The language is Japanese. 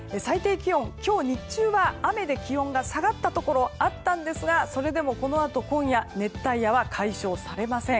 最低気温、今日日中は雨で気温が下がったところあったんですがそれでもこのあと、今夜熱帯夜は解消されません。